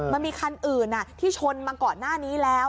มันมีคันอื่นที่ชนมาก่อนหน้านี้แล้ว